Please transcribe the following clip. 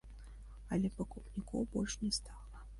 Але пакупнікоў больш не стала.